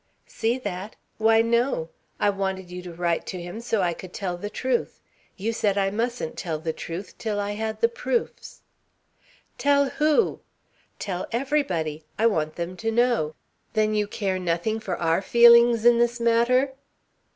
"See that? Why, no. I wanted you to write to him so I could tell the truth. You said I mustn't tell the truth till I had the proofs ..." "Tell who?" "Tell everybody. I want them to know." "Then you care nothing for our feelings in this matter?"